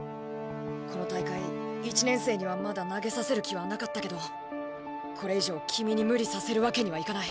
この大会１年生にはまだ投げさせる気はなかったけどこれ以上君に無理させるわけにはいかない。